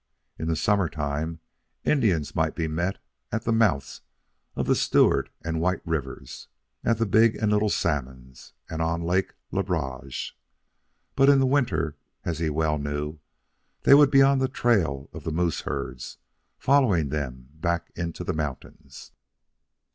In the summer time Indians might be met with at the mouths of the Stewart and White rivers, at the Big and Little Salmons, and on Lake Le Barge; but in the winter, as he well knew, they would be on the trail of the moose herds, following them back into the mountains.